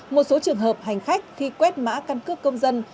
một số trường hợp hành khách khi quét mã căn cước công dân